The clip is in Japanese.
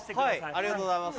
ありがとうございます。